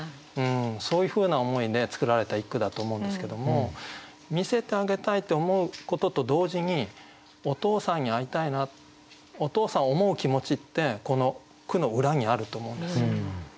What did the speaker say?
そういうふうな思いで作られた一句だと思うんですけども見せてあげたいって思うことと同時にお父さんに会いたいなお父さんを思う気持ちってこの句の裏にあると思うんですよ。